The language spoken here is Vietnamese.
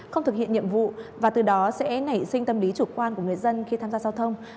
không thực hiện nhiệm vụ và từ đó sẽ nảy sinh tâm lý chủ quan của người dân khi tham gia giao thông